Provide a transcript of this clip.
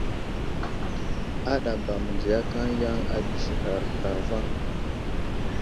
Aɗaba mənziyakaŋ yaŋ agisighar zlavaŋ.